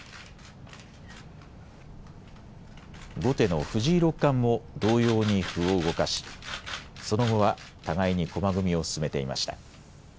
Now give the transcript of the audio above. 後手の藤井六冠も同様に歩を動かしその後は互いに駒組みを進めていました。